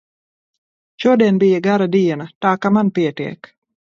Šodien bija gara diena, tā ka man pietiek!